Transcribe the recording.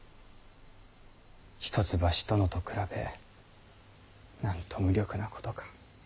一橋殿と比べなんと無力なことか。